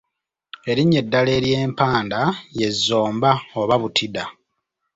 Erinnya eddala ery’empanda ye Zomba oba Butida.